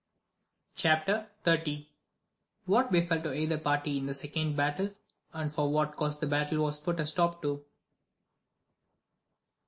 Chap. XXX.— What befell to either party in the second battle, and for what cause the battle was put a stop to.